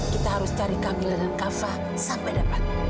kita harus cari kamilah dan kava sampai dapat